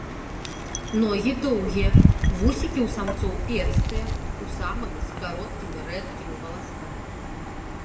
Ногі доўгія, вусікі ў самцоў перыстыя, у самак э кароткімі рэдкімі валаскамі.